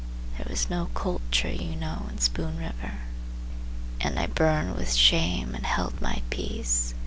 There was no culture, you know, in Spoon River And I burned with shame and held my peace.